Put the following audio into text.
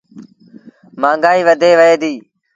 مآݩگآئيٚ وڌي وهي ديٚ۔